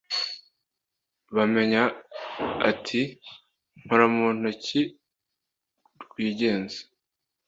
bamenya, ati « nkora mu ntoki rwigenza !